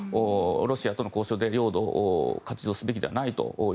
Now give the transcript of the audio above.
ロシアとの交渉で領土を割譲すべきではないと。